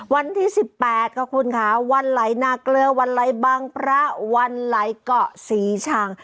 วันที่๑๘ค่ะคุณค่ะวันไหลนาเกลือวันไหลบางพระวันไหลเกาะศรีชัง